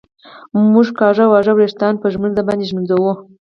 مونږ کاږه واږه وېښتان په ږمونځ باندي ږمنځوو